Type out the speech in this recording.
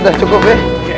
udah cukup ya